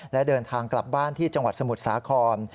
และเดินทางกลับบ้านที่จังหวัดสมุทรสาคร